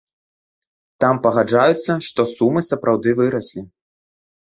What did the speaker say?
Там пагаджаюцца, што сумы сапраўды выраслі.